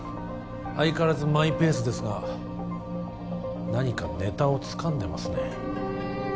相変わらずマイペースですが何かネタをつかんでますね